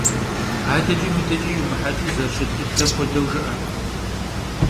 АдэкӀи мыдэкӀи йумыхьэкӀыу, зэрыщыт дыдэм хуэдэу жыӏэ.